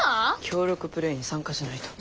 協力プレーに参加しないと。